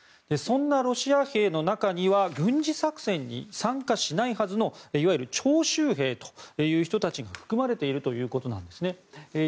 そんなロシア兵の中には軍事作戦に参加しないはずのいわゆる徴集兵という人たちが含まれているということなんですね。